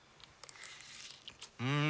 うん！